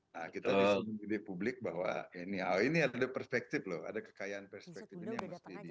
nah kita bisa mengunduh di publik bahwa ini ada perspektif loh ada kekayaan perspektifnya yang mesti di